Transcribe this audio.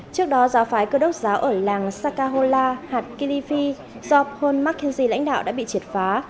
trước đó giáo phái cơ đốc giáo ở làng sakahola hạt kilifi do paul mckenzie lãnh đạo đã bị triệt phá